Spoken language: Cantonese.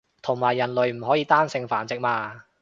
同埋人類唔可以單性繁殖嘛